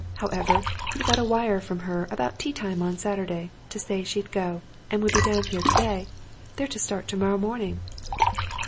However, he got a wire from her, about tea time on Saturday, to say she'd go, and would be down here today. They're to start tomorrow morning."